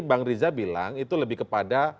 bang riza bilang itu lebih kepada